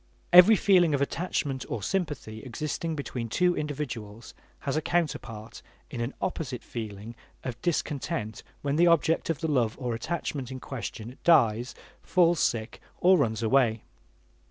Every feeling of attachment or sympathy existing between two individuals has a counterpart in an opposite feeling of discontent when the object of the love or attachment in question dies, falls sick, or runs away.